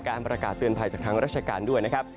ประกาศเตือนภัยจากทางราชการด้วยนะครับ